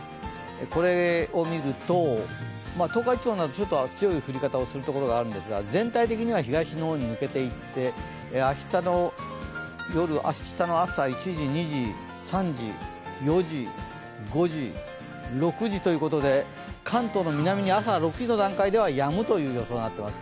これを見ると東海地方など強い降り方するところがあるんですが全体的には東の方に抜けていって明日の夜、明日の朝、１時、２時、３時、４時、５時、６時ということで関東の南に朝６時の段階ではやむという予想になっています。